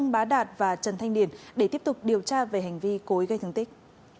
bá đạt và trần thanh điền để tiếp tục điều tra về hành vi cối gây thương tích